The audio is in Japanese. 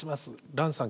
蘭さん